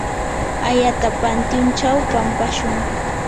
ayata pantyunchaw pampashun.